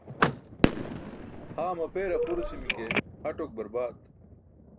Haa mapeer aqurusi̇mi̇ ke ha tok barbaat.